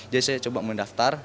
jadi saya coba mendaftar